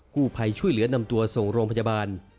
กู้ภัยช่วยเหลือนำตัวส่งโรงพยาบาล